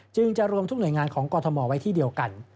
จึงจะรวมทุกหน่วยงานของกรทมไว้ที่เดียวกัน